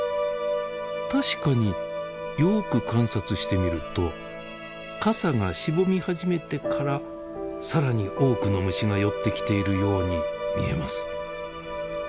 確かによく観察してみると傘がしぼみ始めてからさらに多くの虫が寄ってきているように見えます。